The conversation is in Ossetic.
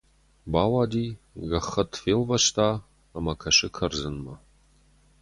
Бауади, гӕххӕтт фелвӕста ӕмӕ кӕсы кӕрдзынмӕ.